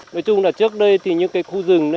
nói chung là trước đây thì những cái khu rừng